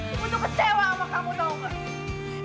ibu tuh kecewa sama kamu tahu gak